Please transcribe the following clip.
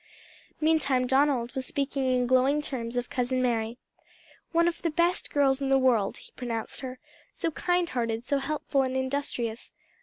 Meantime Donald was speaking in glowing terms of Cousin Mary. "One of the best girls in the world," he pronounced her "so kind hearted, so helpful and industrious.